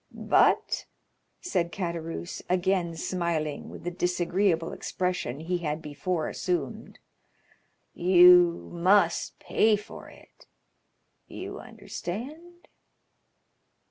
But," said Caderousse, again smiling with the disagreeable expression he had before assumed, "you must pay for it—you understand?"